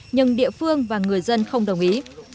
nhưng địa phương và người dân không đồng ý